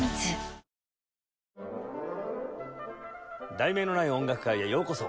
『題名のない音楽会』へようこそ。